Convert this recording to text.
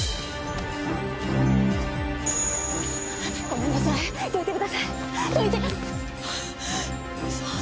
ごめんなさい。